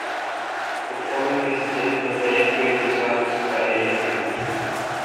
The following is a table of electorate results by electorate.